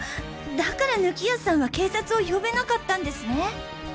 だから貫康さんは警察を呼べなかったんですね！